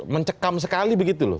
mencekam sekali begitu loh